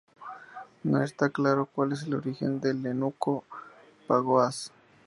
No está claro cuál es el origen del eunuco Bagoas.